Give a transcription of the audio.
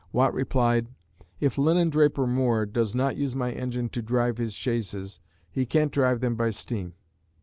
Watt replied "If linen draper Moore does not use my engine to drive his chaises he can't drive them by steam."